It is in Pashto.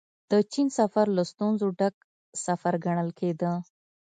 د چين سفر له ستونزو ډک سفر ګڼل کېده.